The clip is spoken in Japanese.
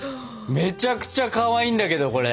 めちゃくちゃかわいいんだけどこれ！